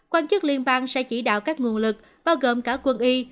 quan chức liên bang sẽ chỉ đạo các nguồn lực bao gồm cả quân y